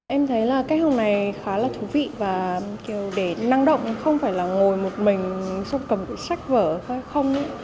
em thấy là cách học này khá là thú vị và kiểu để năng động không phải là ngồi một mình xong cầm sách vở hay không